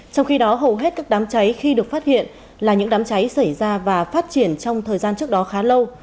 trong khi đó hầu hết các đám cháy khi được phát hiện là những đám cháy xảy ra và phát triển trong thời gian trước đó khá lâu